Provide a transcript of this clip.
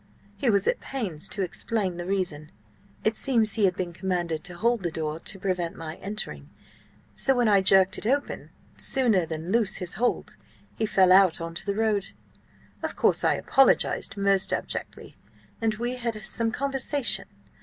"He was at pains to explain the reason. It seems he had been commanded to hold the door to prevent my entering–so when I jerked it open, sooner than loose his hold, he fell out on to the road. Of course, I apologised most abjectly–and we had some conversation.